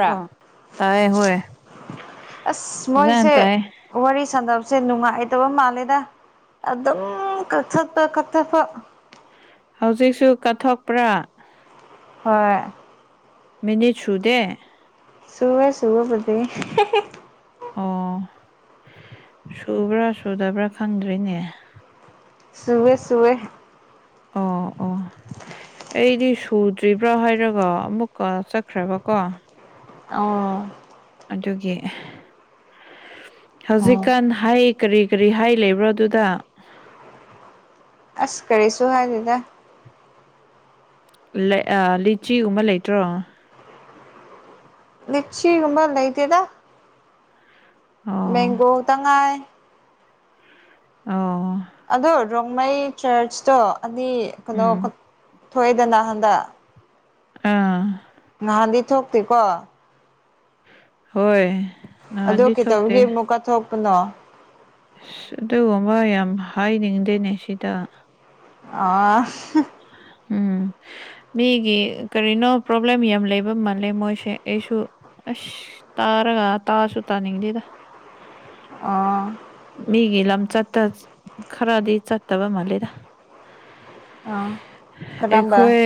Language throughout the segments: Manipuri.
ꯔ ꯑꯣ ꯇꯥꯏ ꯍꯣꯏ ꯑꯁ ꯐꯖꯅ ꯃꯣꯏꯁꯦ ꯇꯥꯏ ꯋꯥꯔꯤ ꯁꯥꯟꯅꯕꯁꯦ ꯅꯨꯡꯉꯥꯏꯇꯕ ꯃꯥꯜꯂꯦꯗ ꯑꯗꯨꯝ ꯀꯛꯊꯠꯄ ꯀꯛꯊꯠꯄ ꯍꯧꯖꯤꯛꯁꯨ ꯀꯠꯊꯣꯛꯄ꯭ꯔꯥ ꯍꯣꯏ ꯃꯤꯅꯤꯠ ꯁꯨꯗꯦ ꯁꯨꯋꯦ ꯁꯨꯕꯕꯨꯗꯤ ꯑꯣ ꯁꯨꯕ꯭ꯔꯥ ꯁꯨꯗꯕ꯭ꯔꯥ ꯈꯪꯗ꯭ꯔ‌ꯦꯅꯦ ꯁꯨꯋꯦ ꯁꯨꯋꯦ ꯑꯣ ꯑꯣ ꯑꯩꯗꯤ ꯁꯨꯗ꯭ꯔꯤꯕ꯭ꯔꯥ ꯍꯥꯏꯔꯒ ꯑꯃꯨꯛꯀ ꯆꯠꯈ꯭ꯔꯕꯀꯣ ꯑꯣ ꯑꯗꯨꯒꯤ ꯑꯣ ꯍꯧꯖꯤꯛꯀꯥꯟ ꯍꯥꯏ ꯀꯔꯤ ꯀꯔꯤ ꯍꯥꯏ ꯂꯩꯕ꯭ꯔꯣ ꯑꯗꯨꯗ ꯑꯁ ꯀꯔꯤꯁꯨ ꯍꯥꯏꯗꯦꯗ ꯂꯤꯆꯤꯒꯨꯝꯕ ꯂꯩꯇ꯭ꯔꯣ ꯂꯆꯤꯒꯨꯝꯕ ꯂꯩꯇꯦꯗ ꯑꯣ ꯃꯦꯡꯒꯣ ꯇꯥ ꯉꯥꯏ ꯑꯣ ꯑꯗꯣ ꯔꯣꯡꯃꯩ ꯆꯔꯆꯇꯣ ꯑꯅꯤ ꯀꯩꯅꯣ ꯎꯝ ꯊꯣꯛꯑꯦꯗꯅ ꯍꯟꯗꯛ ꯑꯥ ꯅꯍꯥꯟꯗꯤ ꯊꯣꯛꯇꯦ ꯀꯣ ꯍꯣꯏ ꯑꯗꯨ ꯅꯍꯥꯟꯗꯤ ꯊꯣꯛꯇꯦ ꯀꯩꯇꯧꯕꯒꯤ ꯑꯃꯨꯛꯀꯥ ꯊꯣꯛꯄꯅꯣ ꯑꯁ ꯑꯗꯨꯒꯨꯝꯕ ꯌꯥꯝ ꯍꯥꯏꯅꯤꯡꯗꯦꯅꯦ ꯁꯤꯗ ꯑꯥ ꯎꯝ ꯃꯤꯒꯤ ꯀꯔꯤꯅꯣ ꯄ꯭ꯔꯣꯕ꯭ꯂꯦꯝ ꯌꯥꯝ ꯂꯩꯕ ꯃꯥꯜꯂꯦ ꯃꯣꯏꯁꯦ ꯑꯩꯁꯨ ꯑꯁ ꯇꯥꯔꯒ ꯇꯥꯁꯨꯨ ꯇꯥꯅꯤꯡꯗꯦꯗ ꯑꯣ ꯃꯤꯒꯤ ꯂꯝ ꯆꯠꯇꯥ ꯈꯔꯗꯤ ꯆꯠꯇꯕ ꯃꯥꯜꯂꯦꯗ ꯑꯥ ꯀꯔꯝꯕ ꯑꯩꯈꯣꯏ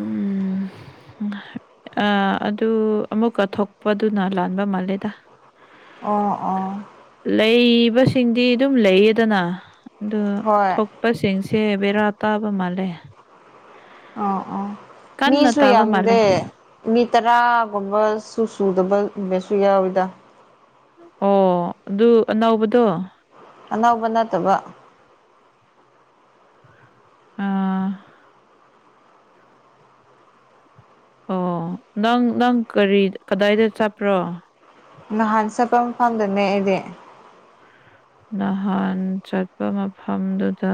ꯎꯝ ꯑꯥ ꯑꯗꯨ ꯑꯃꯨꯛꯀꯥ ꯊꯣꯛꯄꯗꯨꯅ ꯂꯥꯟꯕ ꯃꯥꯜꯂꯦꯗ ꯑꯣ ꯑꯣꯥ ꯂꯩꯕꯁꯤꯡꯗꯤ ꯑꯗꯨꯝ ꯂꯩꯌꯦꯗꯅ ꯑꯗꯨ ꯍꯣꯏ ꯊꯣꯛ ꯄꯥ ꯁꯤꯡꯁꯦ ꯕꯦꯔꯥ ꯇꯥꯕ ꯃꯥꯜꯂꯦ ꯑꯣ ꯑꯣ ꯀꯟꯅ ꯃꯤꯁꯨꯨꯝ ꯇꯥꯕ ꯃꯥꯜꯂꯦ ꯌꯥꯝꯗ‌ꯦ ꯃꯤ ꯇꯔꯥꯒꯨꯝꯕ ꯁꯨ ꯁꯨꯗꯕ ꯑꯃꯁꯁꯨ ꯌꯥꯎꯋꯤꯗ ꯑꯣ ꯑꯗꯨ ꯑꯅꯧꯕꯗꯣ ꯑꯅꯧꯕ ꯅꯠꯇꯕ ꯑꯥ ꯑꯣ ꯅꯪ ꯅꯪ ꯀꯔꯤ ꯀꯗꯥꯏꯗ ꯆꯠꯄ꯭ꯔꯣ ꯅꯍꯥꯟ ꯆꯠꯄ ꯃꯐꯝꯗꯅꯦ ꯑꯩꯗꯤ ꯅꯍꯥꯟ ꯆꯠꯄ ꯃꯐꯝꯗꯨꯗ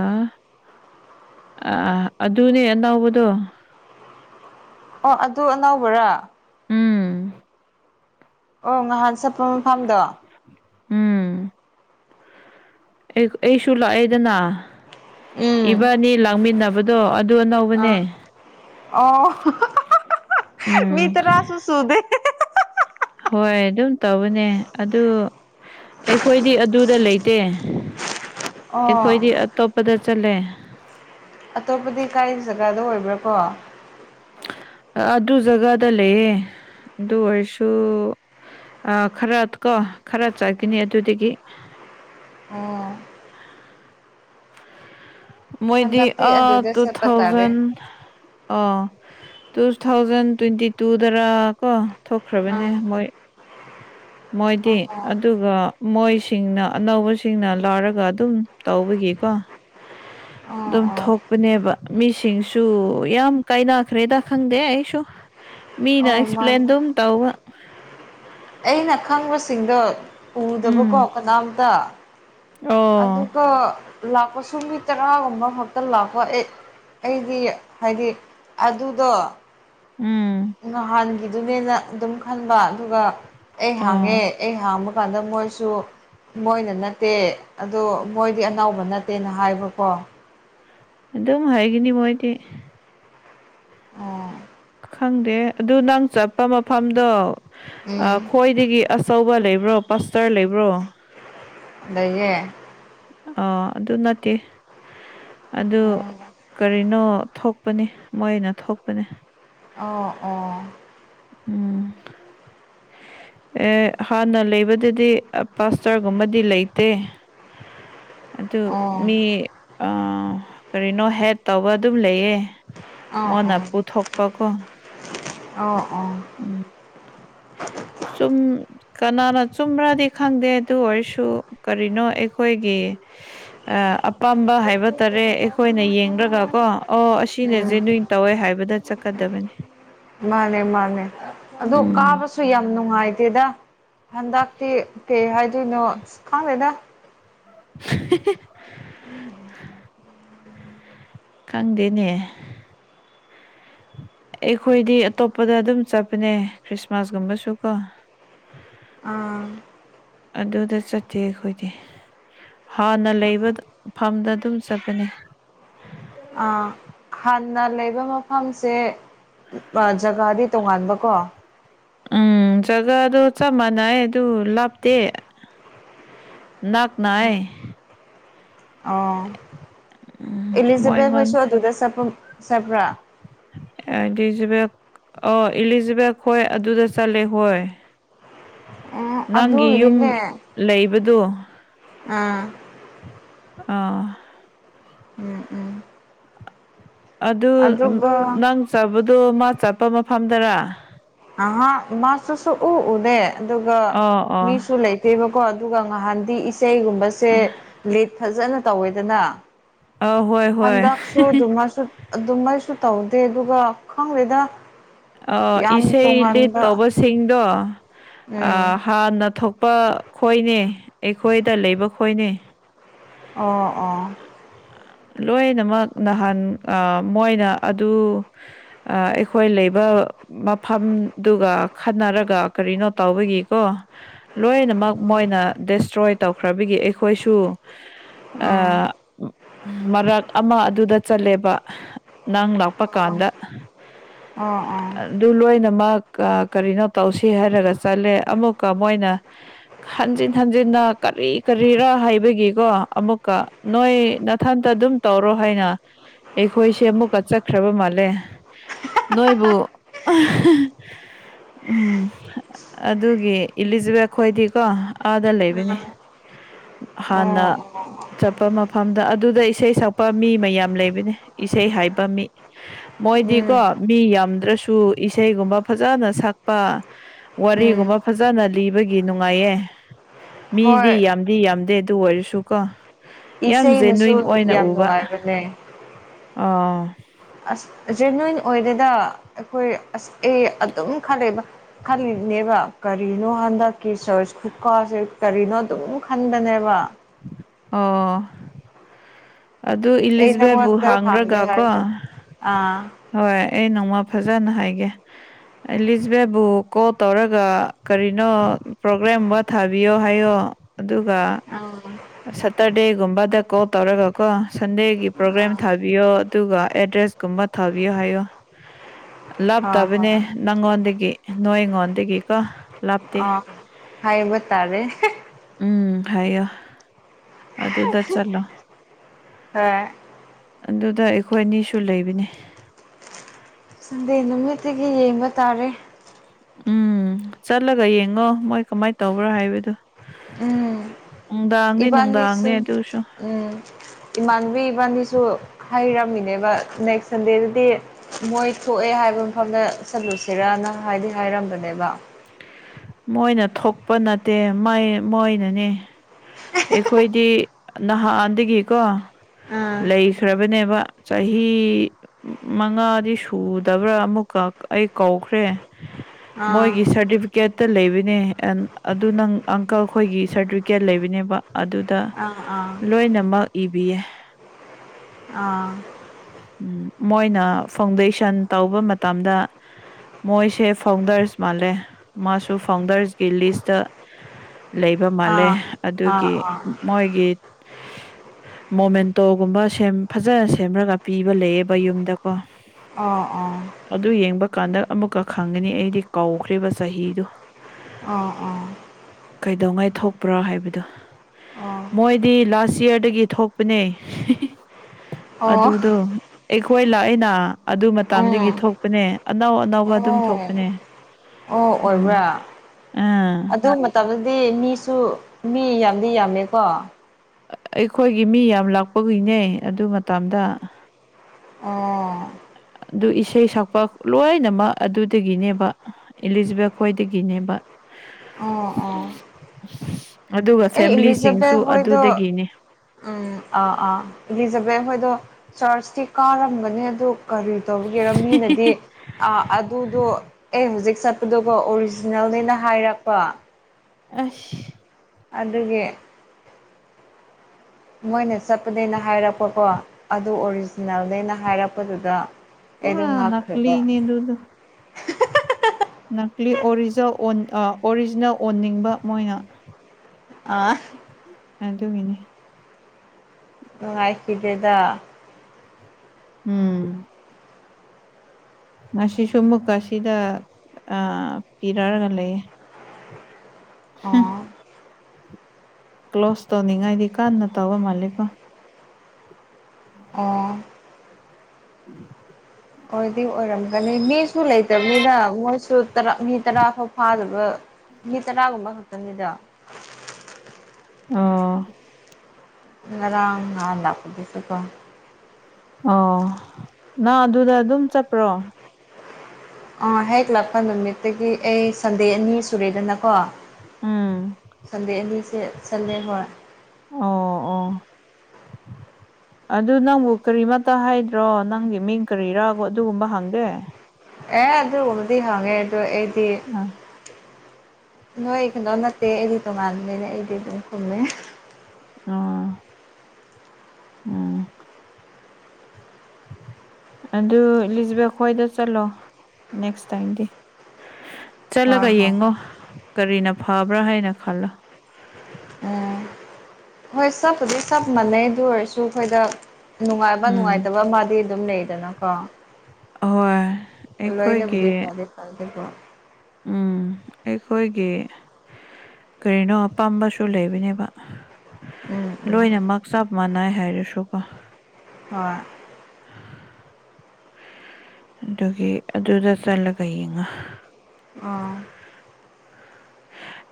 ꯑ ꯑꯗꯨꯅꯦ ꯑꯅꯧꯕꯗꯣ ꯑꯣ ꯑꯗꯨ ꯑꯅꯧꯕꯔꯥ ꯎꯝ ꯑꯣ ꯉꯍꯥꯟ ꯆꯠꯄ ꯃꯐꯝꯗꯣ ꯎꯝ ꯑꯩꯁꯨ ꯂꯥꯛꯑꯦꯗꯅ ꯎꯝ ꯏꯕꯥꯟꯅꯤ ꯂꯥꯛꯃꯤꯟꯅꯕꯗꯣ ꯑꯗꯨ ꯑꯅꯧ ꯑ ꯑꯣ ꯃꯤ ꯎꯝ ꯇꫪꯥ ꯁꯨ ꯁꯨꯗꯦ ꯍꯣꯏ ꯑꯗꯨꯝ ꯇꯧꯕꯅꯦ ꯑꯗꯨ ꯑꯩꯈꯣꯏꯗꯤ ꯑꯗꯨꯗ ꯂꯩꯇꯦ ꯑꯣ ꯑꯩꯈꯣꯏꯗꯤ ꯑꯇꯣꯞꯄꯗ ꯆꯠꯂꯦ ꯑꯇꯣꯞꯄꯗꯤ ꯀꯔꯤ ꯖꯒꯥꯗꯥ ꯑꯣꯏꯕ꯭ꯔꯥ ꯀꯣ ꯑꯗꯨ ꯖꯒꯥꯗ ꯂꯩꯌꯦ ꯑꯗꯨ ꯑꯣꯏꯔꯁꯨ ꯑ ꯈꯔ ꯀꯣ ꯈꯔ ꯆꯠꯀꯅꯤ ꯑꯗꯨꯗꯒꯤ ꯑꯣ ꯃꯣꯏꯗꯤ ꯍꯟꯗꯛꯇꯤ ꯑ ꯑꯗꯨꯗ ꯇꯨ ꯆꯠꯄ ꯇꯥꯔꯦ ꯊꯥꯎꯖꯟ ꯑꯣ ꯇꯨ ꯊꯥꯎꯖꯟ ꯇ꯭ꯋꯦꯟꯇꯤ ꯇꯨ ꯗꯔꯥ ꯀꯣ ꯊꯣꯛ ꯈ꯭ꯔꯕꯅꯦ ꯑꯥ ꯃꯣꯏ ꯑꯣ ꯃꯣꯏꯗꯤ ꯑꯣ ꯑꯗꯨꯒ ꯃꯣꯏꯁꯤꯡꯅ ꯑꯅꯧꯕꯁꯤꯡꯅ ꯂ‌ꯣꯏꯔꯒ ꯑꯗꯨꯝ ꯇꯧꯕꯒꯤꯀꯣ ꯍ [unintelligible] ꯑꯣ ꯑꯗꯨꯝ ꯑꯣ ꯊꯣꯛꯄꯅꯦꯕ ꯃꯤꯁꯤꯡꯁꯨ ꯌꯥꯝ ꯀꯥꯏꯅꯈ꯭ꯔꯦꯗ ꯈꯪꯗꯦ ꯑꯩꯁꯨ ꯃꯤꯅ ꯑꯣ ꯃꯥꯅꯦ ꯑꯦꯛꯁꯄ꯭ꯂꯟ ꯑꯗꯨꯝ ꯇꯧꯕ ꯑꯩꯅ ꯈꯪꯕꯁꯤꯡꯗꯣ ꯎꯗꯕꯀꯣ ꯎꯝ ꯀꯅꯥꯝꯇ ꯑꯣ ꯑꯗꯨꯒ ꯂꯥꯛꯄꯁꯨ ꯃꯤ ꯇꯔꯥꯒꯨꯝꯕ ꯈꯛꯇꯥ ꯂꯥꯛꯄ ꯑꯩ ꯑꯩꯗꯤ ꯍꯥꯏꯗꯤ ꯑꯗꯨꯗꯣ ꯎꯝ ꯉꯍꯥꯟꯒꯤꯗꯨꯅꯦꯅ ꯑꯗꯨꯝ ꯈꯟꯕ ꯑꯗꯨꯒ ꯑꯩ ꯑꯣ ꯍꯥꯡꯉꯦ ꯑꯩ ꯍꯥꯡꯕ ꯀꯥꯟꯗ ꯃꯣꯏꯁꯨ ꯃꯣꯏꯅ ꯅꯠꯇꯦ ꯑꯗꯣ ꯃꯣꯏꯗꯤ ꯑꯅꯧꯕ ꯅꯠꯇꯦꯅ ꯍꯥꯏꯕꯀꯣ ꯑꯗꯨꯝ ꯍꯥꯏꯒꯅꯤ ꯃꯣꯏꯗꯤ ꯑꯣ ꯈꯪꯗꯦ ꯑꯗꯨ ꯅꯪ ꯆꯠꯄ ꯃꯐꯝꯗꫭ ꯑꯥ ꯎꯝ ꯈꯣꯏ ꯗꯒꯤ ꯑꯆꯧꯕ ꯂꯩꯕ꯭ꯔꯣ ꯄꯥꯁꯇꯔ ꯂꯩꯕ꯭ꯔꯣ ꯂꯩꯌꯦ ꯑ ꯑꯗꯨ ꯅꯠꯇꯦ ꯑꯗꯨ ꯀꯔꯤꯅꯣ ꯊꯣꯛ ꯄꯅ‌ꯦ ꯃꯣꯏꯅ ꯊꯣꯛꯄꯅ‌ꯦ ꯑꯣ ꯑꯣ ꯎꯝ ꯑꯦ ꯍꯥꯟꯅ ꯂꯩꯕꯗꯗꯤ ꯄꯥꯁꯇꯔꯒꯨꯝꯕꯗꯤ ꯂꯩꯇꯦ [unintelligible] ꯑꯗꯨ ꯑꯣ ꯑꯣ ꯃꯤ ꯑꯥ ꯀꯔꯤꯅꯣ ꯍꯦꯛ ꯇꯧꯕ ꯑꯗꯨꯝ ꯂꯩꯌꯦ ꯃꫭꯟꯅ ꯄꯨꯊꯣꯛꯄꯀꯣ ꯑꯥ ꯑꯣ ꯎꯝ ꯆꯨꯝ ꯀꯅꯥꯅ ꯆꯨꯝꯕ꯭ꯔꯗꯤ ꯈꯪꯗꯦ ꯑꯗꯨ ꯑꯣꯏꯔꯁꯨ ꯀꯔꯤꯅꯣ ꯑꯩꯈꯣꯏꯒꯤ ꯑ ꯑꯄꯥꯝꯕ ꯍꯥꯏꯕ ꯇꯥꯔꯦ ꯑꯩꯈꯣꯏꯅ ꯌꯦꯡꯒ ꯀꯣ ꯑꯣ ꯑ ꯎꯝ ꯁꯤꯅꯁꯦ ꯅꯣꯏ ꯇꯧꯋꯦ ꯍꯥꯏꯕꯗ ꯆꯠꯀꯗꯕꯅꯤ ꯃꯥꯅꯦ ꯃꯥꯅꯦ ꯑꯗꯨ ꯎꯝ ꯀꯥꯕꯁꯨ ꯌꯥꯝ ꯅꯨꯡꯉꯥꯏꯇꯦꯗ ꯍꯟꯗꯛꯇꯛꯇꯤ ꯀꯩ ꯍꯥꯏꯗꯣꯏꯅꯣ ꯈꯪꯗꯦꯗ [unintelligible] ꯎꯝ ꯈꯪꯗꯦꯅꯦ ꯑꯩꯈꯣꯏꯗꯤ ꯑꯇꯣꯞꯄꯗ ꯑꯗꯨꯝ ꯆꯠꯄꯅꯦ ꯈ꯭ꯔꯤꯁꯃꯥꯁꯀꯨꯝꯕꯁꯨ ꯀꯣ ꯑꯥ ꯑꯗꯨꯗ ꯆꯠꯇꯦ ꯑꯩꯈꯣꯏꯗꯤ ꯍꯥꯟꯅ ꯂꯩꯕꯗ ꯐꯝꯗ ꯑꯗꯨꯝ ꯆꯠꯄꯅꯤ ꯑ ꯍꯥꯟꯅ ꯂꯩꯕ ꯃꯐꯝꯁꯦ ꯖꯒꯥꯗꯤ ꯇꯣꯉꯥꯟꯕ ꯀꯣ ꯎꯝ ꯖꯒꯥꯗꯣ ꯆꯞ ꯃꯥꯟꯅꯩ ꯑꯗꯨ ꯂꯥꯞꯇꯦ ꯅꯥꯛ ꯅꯥꯏ ꯑꯥ ꯎꯝ ꯏꯂꯤꯖꯕꯦꯠ ꯃꯣꯏꯉꯣꯟ ꯍꯣꯏꯁꯨ ꯑꯗꯨꯗ ꯆꯠꯄ ꯆꯠꯄ꯭ꯔꯥ ꯏꯂꯤꯖꯕꯦꯠ ꯑ‌ꯣ ꯏꯂꯤꯖꯕꯦꯠ ꯍꯣꯏ ꯑꯗꯨꯗ ꯆꯠꯂꯦ ꯍꯣꯏ ꯎꯝ ꯅꯪꯒꯤ ꯌꯨꯝ ꯑꯗꯨꯒꯤꯅꯤꯅꯦ ꯂꯩꯕꯗꯨ ꯑꯥ ꯑ ꯎꯝ ꯎꯝ ꯑꯗꯨ ꯑꯗꯨꯒ ꯅꯪ ꯆꯥꯕꯗꯣ ꯃꯥ ꯆꯠꯄ ꯃꯐꯝꯗꯔ ꯑꯍ ꯃꯥꯁꯨꯁꯨ ꯎꯎꯗꯦ ꯑꯗꯨꯒ ꯑꯣ ꯑꯣ ꯃꯤꯁꯨ ꯂꯩ ꯐꯠꯇꯦꯕꯀꯣ ꯑꯗꯨꯒ ꯉꯍꯥꯟꯗꯤ ꯏꯁꯩꯒꯨꯝꯕꯁꯦ ꯂꯤꯠ ꯐꯖꯅ ꯇꯧꯋꯦꯗꯅ ꯍꯣꯏ ꯍꯣꯏ ꯍꯟꯗꯛꯁꯨ ꯑꯗꯨꯃꯥꯏꯁꯨ ꯑꯗꯨꯃꯥꯏꯁꯨ ꯇꯧꯗꯦ ꯑꯗꯨꯒ ꯈꯪꯗꯦꯗ ꯑ ꯌꯥꯝ ꯏꯁꯩ ꯂꯤ ꯂꯤꯠ ꯇꯣꯉꯥꯟꯕ ꯇꯧꯕꯁꯤꯡꯗꯣ ꯑ ꯎꯝ ꯍꯥꯟꯅ ꯊꯣꯛꯄ ꯈꯣꯏꯅꯦ ꯑꯩꯈꯣꯏꯗ ꯂꯩꯕ ꯈꯣꯏꯅꯦ ꯑꯣ ꯑꯥ ꯂꯣꯏꯅꯃꯛ ꯅꯍꯥꯟ ꯑ ꯃꯣꯏꯅ ꯑꯗꯨ ꯑꯩꯈꯣꯏ ꯂꯩꯕ ꯃꯐꯝꯗꯨꯒ ꯈꯟꯅꯔꯒ ꯀꯔꯤꯅꯣ ꯇꯧꯕꯒꯤꯀꯣ ꯂꯣꯏꯅ ꯃꯣꯏꯅ ꯗꯦꯁꯇ꯭ꯔꯣꯏ ꯇꯧꯈ꯭ꯔꯕꯒꯤ ꯑꯩꯈꯣꯏꯁꯨ ꯑ ꯎꯝ ꯃꯔꯛ ꯑꯃ ꯑꯗꯨꯗ ꯆꯜꯂꯦꯕ ꯅꯪ ꯂꯥꯛꯄꯀꯥꯟꯗ ꯑꯣ ꯑꯣ ꯑꯗꯨ ꯂꯣꯏꯅꯃꯛ ꯀꯔꯤꯅꯣ ꯇꯧꯁꯤ ꯍꯥꯏꯔꯒ ꯆꯠꯂꯦ ꯑꯃꯨꯛꯀ ꯃꯣꯏꯅ ꯍꯟꯖꯤꯟ ꯍꯟꯖꯤꯟꯅ ꯀꯔꯤ ꯀꯔꯤꯔꯥ ꯍꯥꯏꯕꯒꯤꯀꯣ ꯑꯃꯨꯛꯀ ꯅꯣꯏ ꯊꯟꯇ ꯑꯗꯨꯝ ꯇꯧꯔꯣ ꯍꯥꯏꯅ ꯑꯩꯈꯣꯏꯁꯦ ꯑꯃꯨꯛꯀ ꯆꯠꯈ꯭ꯔꯕ ꯃꯥꯜꯂꯦ ꯅꯣꯏꯕꯨ ꯎꯝ ꯑꯗꯨꯒꯤ ꯏꯂꯤꯖꯕꯦꯠ ꯈꯣꯏꯗꯤꯀꯣ ꯑꯥꯗ ꯂꯩꯕꯅꯤ ꯍꯥꯟꯅ ꯎ ꯆꯠꯄ ꯃꯐꯝꯗ ꯑꯗꯨꯗ ꯏꯁꯩ ꯁꯛꯄ ꯃꯤ ꯃꯌꯥꯝ ꯂꯩꯕꯅꯦ ꯏꯁꯩ ꯍꯥꯏꯕ ꯃꯤ ꯃꯣꯏꯗꯤꯀꯣ ꯎꯝ ꯃꯤ ꯌꯥꯝꯗ꯭ꯔꯁꯨ ꯏꯁꯩꯒꯨꯝꯕ ꯐꯖꯅ ꯁꯛꯄ ꯎꯝ ꯋꯥꯔꯤꯒꯨꯝꯕ ꯐꯖꯅ ꯂꯤꯕꯒꯤ ꯅꯨꯡꯉꯥꯏꯌꯦ ꯃꯤꯗꯤ ꯍꯣꯏ ꯌꯥꯝꯗꯤ ꯌꯥꯝꯗꯦ ꯑꯗꯨ ꯑꯣꯏꯔꯁꯨ ꯀꯣ ꯌꯥꯝ ꯏꯁꯩꯅꯁꯨ ꯖꯦꯅꯋꯤꯟ ꯑꯣꯏꯅ ꯌꯥꯝ ꯎꯕ ꯅꯨꯡꯉꯥꯏꯕꯅꯦ ꯑꯥ ꯑꯁ ꯖꯦꯅꯋꯦꯟ ꯑꯣꯏꯔꯦꯗ ꯑꯩꯈꯣꯏ ꯑꯁ ꯑꯦ ꯑꯗꯨꯝ ꯈꯜꯂꯦꯕ ꯈꯜꯂꯤꯅꯦꯕ ꯀꯔꯤꯅꯣ ꯍꯟꯗꯛꯀꯤ ꯆꯔꯁ ꯈꯨꯠꯀꯥꯁꯦ ꯀꯔꯤꯅꯣ ꯑꯗꯨꯝ ꯈꯟꯕꯅꯦꯕ ꯑꯣ ꯑꯗꯨ ꯑꯩ ꯏꯂꯤꯖꯕꯦꯠꯕꯨ ꯅꯪꯉꯣꯟꯗ ꯍꯥꯡꯗ꯭ꯔꯒ ꯍꯥꯡꯒꯦ ꯀꯣ ꯍꯥꯏꯒ ꯑꯥ ꯍꯣꯏ ꯑꯩ ꯅꯣꯡꯃ ꯐꯖꯅ ꯍꯥꯏꯒꯦ ꯑꯦꯂꯤꯁꯕꯦꯕꯨ ꯀꯣꯜ ꯇꯧꯔꯒ ꯀꯔꯤꯅꯣ ꯄ꯭ꯔꯣꯒ꯭ꯔꯥꯝ ꯑꯃ ꯊꯥꯕꯤꯌꯣ ꯍꯥꯏꯌꯣ ꯑꯗꯨꯒ ꯑ ꯁꯇꯔꯗꯦꯒꯨꯝꯕꯗ ꯀꯣꯜ ꯇꯧꯔꯒ ꯀꯣ ꯁꯟꯗꯦꯒꯤ ꯄ꯭ꯔꯣꯒ꯭ꯔꯥꯝ ꯊꯥꯕꯤ ꯕꯤꯌꯣ ꯑꯗꯨꯒ ꯑꯦꯗ꯭ꯔꯦꯁ ꯀꯨꯝꯕ ꯊꯥꯕꯤꯌꯣ ꯍꯥꯏꯌꯣ ꯑꯥ ꯍꯣꯏ ꯂꯥꯞꯇꯕꯅꯦ ꯍꯣꯏ ꯅꯪꯉꯣꯟꯗꯒꯤ ꯅꯣꯏ ꯉꯣꯟꯗꯗꯒꯤ ꯀꯣ ꯑ ꯍꯥꯏꯕ ꯇꯥꯔꯦ ꯎꯝ ꯍꯥꯏꯌꯣ ꯑꯗꯨꯗ ꯆꯠꯂꯣ ꯍꯣꯏ ꯑꯗꯨꯗ ꯑꯩꯈꯣꯏ ꯑꯅꯤꯁꯨ ꯂꯩꯕꯅꯤ ꯁꯟꯗꯦ ꯅꯨꯃꯤꯠꯇꯒꯤ ꯌꯦꯡꯕ ꯇꯥꯔꯦ ꯎꯝ ꯆꯠꯂꯒ ꯌꯦꯡꯉꯣ ꯃꯣꯏ ꯀꯃꯥꯏꯅ ꯇꯧꯕ꯭ꯔꯥ ꯍꯥꯏꯕꯗꯨ ꯎꯝ ꯅꯨꯡꯗꯥꯡꯗꯤ ꯅꯨꯡꯗꯥꯥꯡꯅꯤ ꯏꯕꯥꯅꯤꯁꯨ ꯑꯗꯨ ꯑꯣꯏꯔꯁꯨ ꯎꯝ ꯏꯃꯥꯟꯅꯕꯤ ꯏꯕꯥꯅꯤꯁꯨ ꯍꯥꯏꯩꯔꯝꯃꯤꯅꯦꯕ ꯅꯦꯛꯁ ꯁꯟꯗꯦꯗꯗꯤ ꯃꯣꯏ ꯊꯣꯛꯑꯦ ꯍꯥꯏꯕ ꯃꯐꯝꯗ ꯆꯜꯂꯨꯁꯤꯔꯅ ꯍꯥꯏꯗꯤ ꯍꯥꯏꯔꯝꯕꯅꯦꯕ ꯃꯣꯏꯅ ꯊꯣꯛꯄ ꯅꯠꯇꯦ ꯃꯩ ꯃꯣꯏꯅꯅꯦ ꯑꯩꯈꯣꯏꯗꯤ ꯅꯍꯥꯟꯗꯒꯤꯀꯣ ꯑꯥ ꯂꯩꯈ꯭ꯔꯕꯅꯦꯕ ꯆꯍꯤ ꯃꯉꯥꯗꯤ ꯁꯨꯗꯕ꯭ꯔꯥ ꯑꯃꯨꯛꯀ ꯑꯩ ꯀꯧꯈ꯭ꯔꯦ ꯑꯥ ꯃꯣꯏꯒꯤ ꯁꯥꯔꯇꯤꯐꯤꯀꯦꯠꯇ ꯂꯩꯕꯅꯦ ꯑꯦꯟ ꯑꯗꯨ ꯅꯪ ꯑꯪꯀꯜꯈꯣꯏꯒꯤ ꯁꯥꯔꯇꯤꯐꯤꯀꯦꯠ ꯂꯩꯕꯅꯦꯕ ꯑꯗꯨꯗ ꯑꯥ ꯂꯣꯏꯅꯃꯛ ꯏꯕꯤꯌꯦ ꯑꯥ ꯎꯝ ꯃꯣꯏꯅ ꯐꯥꯎꯟꯗꯦꯁꯟ ꯇꯧꯕ ꯃꯇꯝꯗ ꯃꯣꯏꯁꯦ ꯐꯥꯎꯟꯗꯔꯁ ꯃꯥꯜꯂꯦ ꯃꯥꯁꯨ ꯐꯥꯎꯟꯗꯔꯁꯀꯤ ꯂꯤꯁꯇ ꯂꯩꯕ ꯃꯥꯜꯂꯦ ꯑꯥ ꯑꯗꯨꯒꯤ ꯑꯥ ꯑꯥ ꯑꯥ ꯃꯣꯏꯒꯤ ꯃꯣꯃꯦꯟꯇꯣꯒꯨꯝꯕ ꯁꯦꯝꯟꯐꯖꯅ ꯁꯦꯝꯔꯒ ꯄꯤꯕ ꯂꯩꯌꯦꯕ ꯌꯨꯝꯗꯀꯣ ꯑ ꯑ ꯑ ꯑꯗꯨ ꯌꯦꯡꯕ ꯀꯥꯟꯗ ꯑꯃꯨꯛꯀ ꯈꯪꯒꯅꯤ ꯑꯩꯗꯤ ꯀꯧꯈ꯭꯭ꯔꯦꯕ ꯆꯍꯤꯗꯨ ꯑꯣ ꯑꯣ ꯀꯩꯗꯧꯉꯥꯏ ꯊꯣꯛꯄ꯭ꯔꯥ ꯍꯥꯏꯕꯗꯣ ꯑꯣ ꯃꯣꯏꯗꯤ ꯂꯥꯁ ꯌꯥꯔꯗꯒꯤ ꯊꯣꯛꯄꯅꯦ ꯑꯣ ꯑꯗꯨꯗꯣ ꯑꯩꯈꯣꯏ ꯂꯥꯛꯏꯅ ꯑꯗꯨ ꯃꯇꯝꯗꯒꯤ ꯎꯝ ꯊꯣꯛꯄꯅꯦ ꯑꯅꯧ ꯑꯅꯧꯕ ꯑꯗꯨꯝ ꯑꯣ ꯊꯣꯛꯄꯅꯦ ꯑꯣ ꯎꯝ ꯑꯣꯏꯕ꯭ꯔꯥ ꯑꯥ ꯑꯗꯨ ꯃꯇꯝ ꯇꯝꯗꯗꯤ ꯃꯤꯁꯨ ꯃꯤ ꯌꯥꯝꯗꯤ ꯌꯥꯝꯃꯦꯀꯣ ꯑꯩꯈꯣꯏꯒꯤ ꯃꯤ ꯌꯥꯝ ꯂꯥꯛꯄꯒꯤꯅꯦ ꯑꯗꯨ ꯃꯇꯝꯗ ꯑꯥ ꯑꯗꯨ ꯏꯁꯩ ꯁꯛꯄ ꯂꯣꯏꯅꯃꯛ ꯑꯗꯨꯗꯒꯤꯅꯦꯕ ꯏꯂꯤꯖꯕꯦꯠ ꯈ꯭ꯋꯥꯏꯗꯒꯤꯅꯦꯕ ꯑꯣ ꯑꯣ ꯑꯗꯨꯒ ꯑꯩ ꯐꯦꯃꯤꯂꯤꯁꯤꯡꯁꯨ ꯏꯂꯤꯖꯥꯕꯦꯠ ꯍꯣꯏꯗꯣ ꯑꯗꯨꯗꯒꯤꯅꯤ ꯎꯝ ꯑꯥ ꯑꯥ ꯏꯂꯤꯖꯥꯕꯦꯜ ꯍꯣꯏꯗꯣ ꯆꯥꯔꯖꯇꯤ ꯀꯥꯔꯝꯕꯅꯦ ꯑꯗꯨ ꯀꯔꯤ ꯇꯧꯕꯒꯤꯔ ꯃꯤꯅꯗꯤ ꯑꯗꯨꯗꯣ ꯑꯦ ꯍꯧꯖꯤꯛ ꯆꯠ ꯑꯗꯨꯒ ꯑꯣꯔꯤꯖꯤꯅꯦꯜꯅꯦꯅ ꯍꯥꯏꯔꯛꯄ ꯑꯁ ꯑꯗꯨꯒꯤ ꯃꯣꯏꯅ ꯆꯠꯄꯗꯒꯤꯩꯅ ꯍꯥꯏꯔꯛꯄꯀꯣ ꯑꯗꯨ ꯑꯣꯔꯤꯖꯤꯅꯦꯜꯗꯩꯅ ꯍꯥꯏꯔꯛꯄꯗꯨꯗ ꯑꯩꯗꯣ ꯄꯨꯔ ꯉꯛꯈ꯭ꯔꯦꯕ ꯅꯀꯂꯤꯅꯤ ꯑꯗꯨꯗꯣ ꯅꯥꯛꯂꯤ ꯑꯣꯔꯤꯖꯤꯅꯦꯜ ꯑꯣꯔꯤꯖꯤꯅꯦꯜ ꯑꯣꯟꯅꯤꯡꯕ ꯃꯣꯏꯅ ꯑ ꯑꯗꯨꯒꯤꯅꯦ ꯅꯨꯉꯥꯏ ꯀꯤꯗꯦꯗ ꯎꯝ ꯉꯁꯤꯁꯨ ꯑꯃꯨꯛꯀ ꯑꯁꯤꯗ ꯄꯤꯔꯛꯑꯒ ꯂꯩꯌꯦ ꯍꯝ ꯑꯣ ꯀ꯭ꯂꯣꯁ ꯇꯧꯅꯤꯡꯉꯥꯏꯗꯤ ꯀꯥꯟꯟꯅ ꯇꯧꯋ ꯃꯥꯜꯂꯦꯀꯣ ꯑꯥ [unintelligible] ꯑꯣꯏꯗꯤ ꯑꯣꯏꯔꯝꯒꯅꯤ ꯃꯤꯁꯨ ꯂꯩꯇꯕꯅꯤꯅ ꯃꯣꯏꯁꯨ ꯃꯤ ꯇꯔꯥ ꯐꯥꯎ ꯐꯥꯗꯕ ꯃꯤ ꯇꯔꯥꯒꯨꯝꯕ ꯈꯛꯇꯪꯅꯤꯗ ꯑꯣ ꯔꯥꯡ ꯉꯥꯟ ꯂꯄꯨꯗꯤꯁꯨꯀꯣ ꯑꯣ ꯅꯪ ꯑꯗꯨꯗ ꯑꯗꯨꯝ ꯆꯠꯄ꯭ꯔꯣ ꯑꯥ ꯍꯦꯛ ꯂꯥꯛꯄ ꯅꯨꯃꯤꯠꯇꯒꯤ ꯑꯩ ꯁꯟꯗꯦ ꯑꯅꯤ ꯁꯨꯔꯦꯗꯅꯀꯣ ꯎꯝ ꯁꯟꯗꯦ ꯑꯂꯤꯁꯦ ꯁꯟꯗꯦ ꯍꯣꯏ ꯑꯣ ꯑꯣ ꯑꯗꯨ ꯅꯪꯕꯨ ꯀꯔꯤꯃꯇ ꯍꯥꯏꯗ꯭ꯔꯣ ꯅꯪꯒꯤ ꯃꯤꯡ ꯀꯔꯤꯔꯥ ꯑꯗꯨꯒꯨꯝꯕ ꯍꯪꯗꯦ ꯑꯦ ꯑꯗꯨꯕꯗꯤ ꯍꯡꯉ‌ꯦ ꯑꯗꯨ ꯑ‌ꯩꯗꯤ ꯎꯝ ꯅꯣꯏ ꯀꯗꯣ ꯅꯠꯇꯦꯗꯤ ꯇꯉꯥꯟꯅꯦꯗꯤ ꯑꯗꯨꯝ ꯀꯨꯝꯃꯦ ꯎꯝ ꯎꯝ ꯑꯗꯨ ꯏꯂꯤꯖꯕꯦꯠ ꯈꯣꯏꯗ ꯆꯠꯂꯣ ꯅꯦꯛꯁ ꯇꯥꯏꯝꯗꯤ ꯍꯣꯏ ꯆꯠꯂꯒ ꯍꯣꯏ ꯌꯦꯡꯉꯣ ꯀꯔꯤꯅ ꯐꯕ꯭ꯔꯥ ꯍꯥꯏꯅ ꯈꯜꯂꯣ ꯎꯝ ꯍꯣꯏ ꯆꯞꯄꯨꯗꯤ ꯆꯞ ꯃꯥꯟꯅꯩ ꯑꯗꯨ ꯑꯣꯏꯔꯁꯨ ꯑꯩꯈꯣꯏꯗ ꯅꯨꯡꯉꯥꯏꯕ ꯎꯝ ꯅꯨꯡꯉꯥꯏꯇꯕ ꯑꯃꯗꯤꯗꯤ ꯑꯗꯨꯝ ꯂꯩꯗꯅꯀꯣ ꯑꯍꯣꯏ ꯑꯩꯈꯣꯏꯒꯤ ꯂꯣꯏꯅꯦꯕꯨꯗꯤ ꯐꯗ ꯐꯥꯗꯤ ꯄ ꯎꯝ ꯑꯩꯈꯣꯏꯒꯤ ꯀꯔꯤꯅꯣ ꯑꯄꯥꯝꯕꯁꯨ ꯂꯩꯕꯅꯦꯕ ꯎꯝ ꯎꯝ ꯂꯣꯏꯅꯃꯛ ꯆꯞ ꯃꯥꯟꯅꯩ ꯍꯥꯏꯔꯁꯨꯀꯣ ꯑꯣꯏ ꯑꯗꯨꯒꯤ ꯑꯗꯨꯗ ꯆꯠꯂꯒ ꯌꯦꯡꯉꯥ ꯑꯥ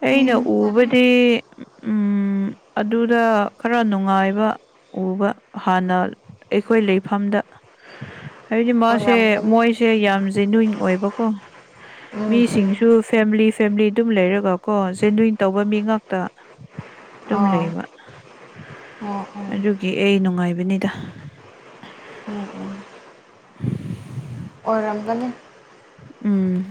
ꯑꯩꯅ ꯌꯦꯡꯕ ꯇꯥꯔꯦ ꯎꯕꯗꯤ ꯎꯝ ꯑꯗꯨꯗ ꯈꯔ ꯅꯨꯡꯉꯥꯏꯕ ꯎꯕ ꯍꯥꯟꯅ ꯑꯩꯈꯣꯏ ꯂꯩꯐꯝꯗ ꯍꯥꯏꯗꯤ ꯃ‌ꯣꯏꯁꯦ ꯑꯣꯏꯔꯝꯒꯅꯤ ꯃꯣꯏꯁꯦ ꯌꯥꯝ ꯒ‌ꯦꯅꯨꯏ꯭ꯟ ꯑꯣꯏꯕꯀꯣ ꯎꯝ ꯎꯝ ꯃꯤꯁꯤꯡꯁꯨ ꯐꯦꯃꯤꯂꯤ ꯐꯦꯃꯤꯂꯤ ꯑꯗꯨꯝ ꯂꯩꯔꯒ ꯀꯣ ꯆꯦꯟꯗꯟ ꯇꯧꯕ ꯃꯤ ꯉꯥꯛꯇ ꯑꯗꯨꯝ ꯑꯣ ꯂꯩꯕ ꯑꯣ ꯑꯣ ꯑꯗꯨꯒꯤ ꯑꯩ ꯅꯨꯡꯉꯥꯏꯕꯅꯤꯗ ꯎꯝ ꯎꯝ [unintelligible] ꯑꯣꯏꯔꯝꯒꯅꯤ ꯎꯝ